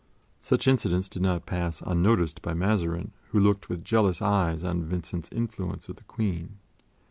Such incidents did not pass unnoticed by Mazarin, who looked with jealous eyes on Vincent's influence with the Queen.